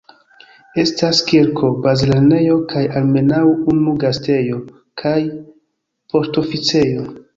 Estas kirko, bazlernejo, kaj almenaŭ unu gastejo kaj poŝtoficejo.